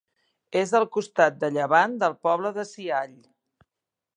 És al costat de llevant del poble de Siall.